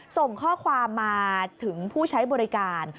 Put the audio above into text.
ส่งข้อความมาถึงผู้ใช้บริการ